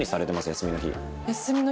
休みの日。